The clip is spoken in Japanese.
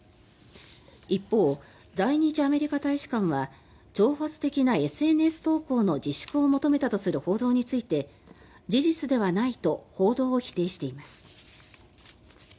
一方、在日アメリカ大使館は挑発的なＳＮＳ投稿の自粛を求めたとする報道について事実ではないと報道を否定しています。